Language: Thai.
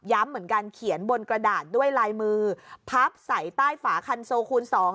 เหมือนกันเขียนบนกระดาษด้วยลายมือพับใส่ใต้ฝาคันโซคูณสอง